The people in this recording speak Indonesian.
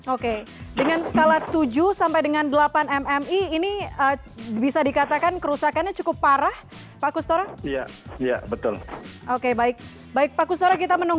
oke dengan skala tujuh sampai dengan delapan mmi ini bisa dikatakan kerusakannya cukup parah pak kustora